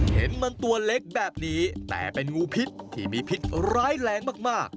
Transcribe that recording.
เห็นมันตัวเล็กแบบนี้แต่เป็นงูพิษที่มีพิษร้ายแรงมาก